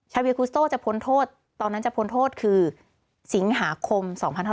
เวียคุสโต้จะพ้นโทษตอนนั้นจะพ้นโทษคือสิงหาคม๒๕๖๒